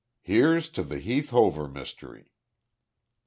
"Here's to the Heath Hover mystery."